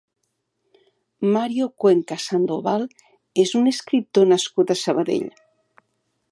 Mario Cuenca Sandoval és un escriptor nascut a Sabadell.